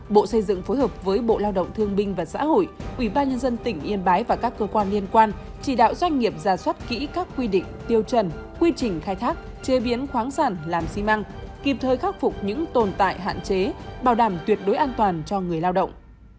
bộ xây dựng phối hợp với bộ lao động thương binh và xã hội ubnd tỉnh yên bái và các cơ quan liên quan chỉ đạo doanh nghiệp ra soát kỹ các quy định tiêu chuẩn quy trình khai thác chế biến khoáng sản làm xi măng kịp thời khắc phục những tồn tại hạn chế bảo đảm tuyệt đối an toàn cho người lao động